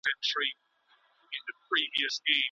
آیا د وچو مېوو کیفیت د هغو په بیه اغېزه کوي؟.